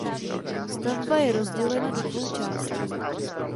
Stavba je rozdělena do dvou částí.